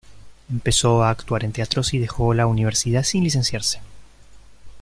Empezó a actuar en teatros y dejó la universidad sin licenciarse.